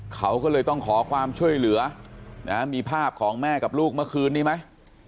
เขาก็เลยต้องขอความช่วยเหลือนะมีภาพของแม่กับลูกเมื่อคืนนี้ไหม